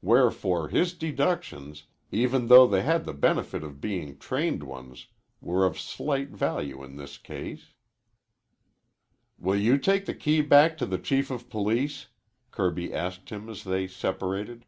Wherefore his deductions, even though they had the benefit of being trained ones, were of slight value in this case. "Will you take the key back to the Chief of Police?" Kirby asked him as they separated.